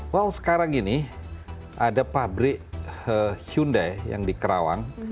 wow sekarang ini ada pabrik hyundai yang di kerawang